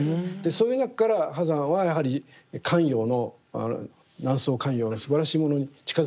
そういう中から波山はやはり官窯の南宋官窯のすばらしいものに近づいていくと。